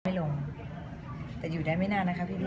ไม่หลงแต่อยู่ได้ไม่นานนะครับพี่ดี